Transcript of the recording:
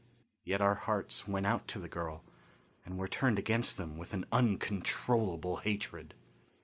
Yet our hearts went out to the girl, and were turned against them with an uncontrollable hatred.